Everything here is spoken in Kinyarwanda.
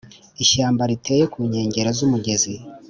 Ishyamba riteye ku nkengero z umugezi